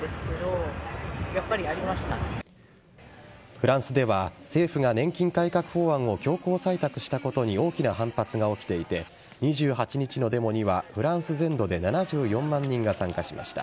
フランスでは政府が年金改革法案を強行採択したことに大きな反発が起きていて２８日のデモにはフランス全土で７４万人が参加しました。